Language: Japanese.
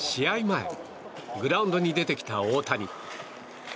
前グラウンドに出てきた大谷。